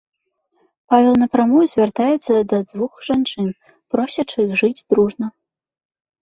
Павел напрамую звяртаецца да дзвух жанчын, просячы іх жыць дружна.